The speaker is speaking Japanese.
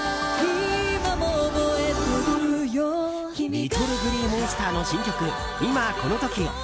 ＬｉｔｔｌｅＧｌｅｅＭｏｎｓｔｅｒの新曲「今この瞬間を」。